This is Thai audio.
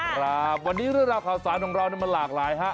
ครับวันนี้เรื่องราวข่าวสารของเรามันหลากหลายฮะ